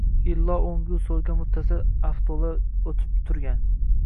Illo o’ngu so’lga muttasil avtolar o’tib turgan.